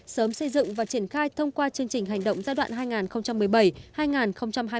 sớm xây dựng và triển khai thông qua chương trình hành động giai đoạn hai nghìn một mươi bảy hai nghìn hai mươi